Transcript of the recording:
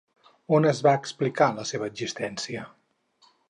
On es va explicar la seva existència?